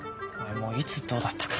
もういつどうだったか。